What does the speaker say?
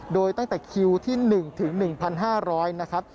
โดยตั้งแต่คิวที่๑ถึง๑๕๐๐นะครับ